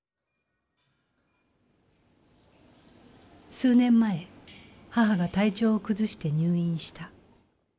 数年前母が体調を崩して入院した。